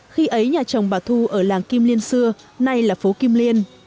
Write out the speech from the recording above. khi ấy nhà chồng bà thu ở làng kim liên xưa nay là phố kim liên